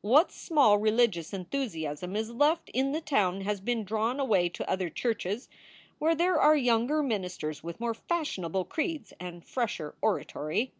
What small religious enthusiasm is left in the town has been drawn away to other churches where there are younger ministers with more fashionable creeds and fresher oratory.